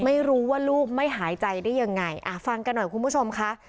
ไม่รู้ว่าลูกไม่หายใจได้ยังไงอ่ะฟังกันหน่อยคุณผู้ชมค่ะ